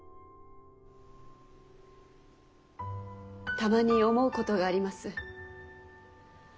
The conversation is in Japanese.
たまに思うことがあります。